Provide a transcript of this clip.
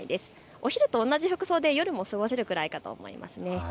お昼と同じ服装で夜も過ごせるぐらいかと思います。